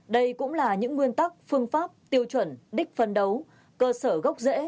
đây cũng là những nguyên tắc phương pháp tiêu chuẩn đích phân đấu cơ sở gốc rễ